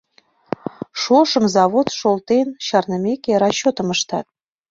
Шошым, завод шолтен чарнымеке, расчётым ыштат...